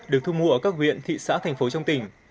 được thu mua ở các huyện thị xã thành phố trong tỉnh